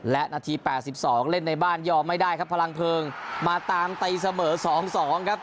และนาที๘๒เล่นในบ้านยอมไม่ได้ครับพลังเพลิงมาตามตีเสมอ๒๒ครับ